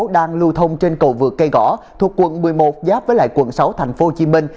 đang lưu thông trên cầu vượt cây gõ thuộc quận một mươi một giáp với lại quận sáu thành phố hồ chí minh